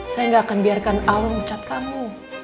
saya gak akan biarkan alun ucat kamu